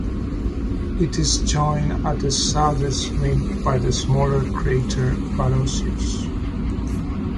It is joined at the southeast rim by the smaller crater Barocius.